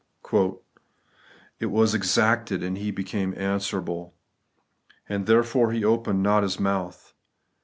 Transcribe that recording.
* It was exacted, and He became answerable. And (therefore) He opened not His mouth.